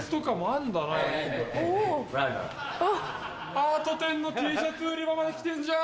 アート展のＴシャツ売り場まで来てんじゃん！